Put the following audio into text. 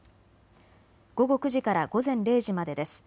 午後９時から午前０時までです。